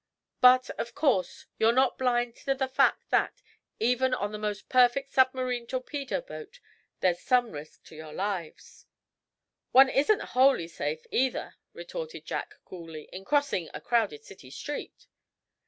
"But, of course, you're not blind to the fact that, even on the most perfect submarine torpedo boat, there's some risk to your lives." "One isn't wholly safe, either," retorted Jack, coolly, "in crossing a crowded city street."